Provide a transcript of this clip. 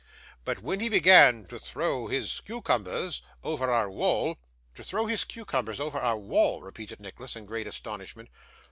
But when he began to throw his cucumbers over our wall ' 'To throw his cucumbers over our wall!' repeated Nicholas, in great astonishment.